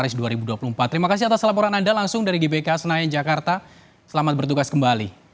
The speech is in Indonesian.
terima kasih atas laporan anda langsung dari gbk senayan jakarta selamat bertugas kembali